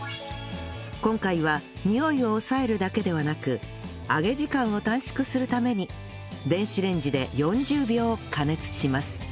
今回はにおいを抑えるだけではなく揚げ時間を短縮するために電子レンジで４０秒加熱します